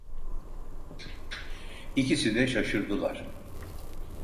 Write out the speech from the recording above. İkisi de şaşırdılar.